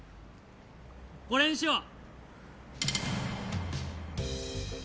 これにしよう！